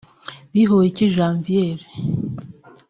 Bihoyiki Janvière